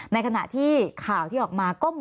มันเป็นอาหารของพระราชา